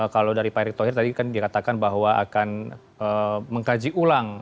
kalau dari pak erick thohir tadi kan dikatakan bahwa akan mengkaji ulang